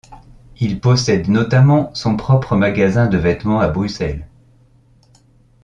Il possède notamment son propre magasin de vêtements à Bruxelles.